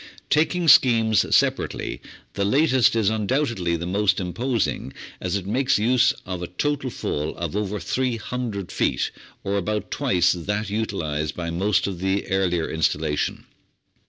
Taking schemes separately, the latest is undoubtedly the most imposing, as it makes use of a total fall of over 300 feet, or about twice that utilised by most of the earlier installation.